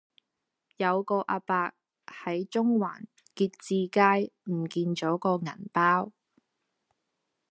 有個亞伯喺中環結志街唔見左個銀包